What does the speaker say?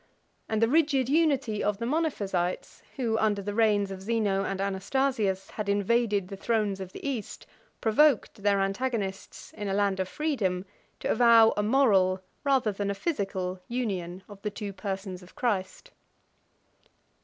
And the rigid unity of the Monophysites, who, under the reigns of Zeno and Anastasius, had invaded the thrones of the East, provoked their antagonists, in a land of freedom, to avow a moral, rather than a physical, union of the two persons of Christ.